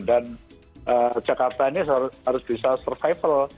dan jakarta ini harus bisa survival